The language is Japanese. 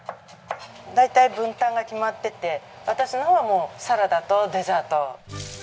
大体分担が決まってて私のほうはもうサラダとデザート。